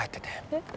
えっ？